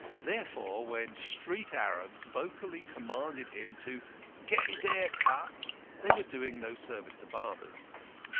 Therefore, when street arabs vocally commanded him to get his hair cut, they were doing no service to barbers.